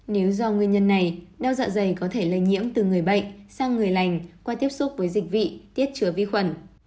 nếu do nguyên nhân này đau dạ dày có thể lây nhiễm từ người bệnh sang người lành qua tiếp xúc với dịch vị tiết chứa vi khuẩn